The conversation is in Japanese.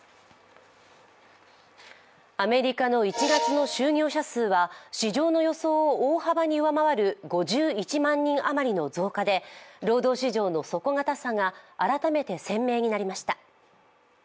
アメリカの１月の就業者数は市場の予想を大幅に上回る５１万人あまりの増加で、労働市場の底堅さが改めて鮮明になりました。